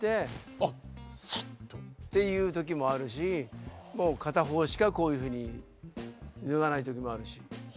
あっさっと。っていう時もあるし片方しかこういうふうに脱がない時もあるし。